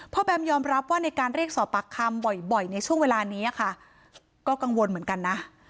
แบมยอมรับว่าในการเรียกสอบปากคำบ่อยในช่วงเวลานี้ค่ะก็กังวลเหมือนกันนะ